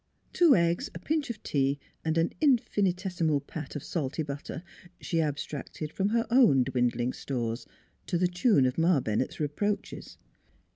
Two eggs, a pinch of tea, and an infinitesimal pat of salty butter she abstracted from her own dwindling stores, to the tune of Ma Bennett's reproaches.